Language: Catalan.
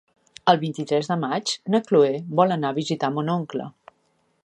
El vint-i-tres de maig na Cloè vol anar a visitar mon oncle.